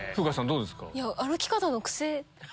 どうですか？